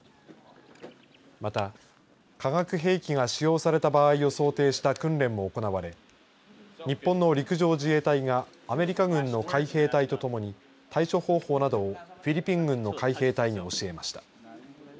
また、化学兵器が使用された場合を想定した訓練も行われ日本の陸上自衛隊がアメリカ軍の海兵隊と共に対処方法などをフィリピン軍の海兵隊に教えました。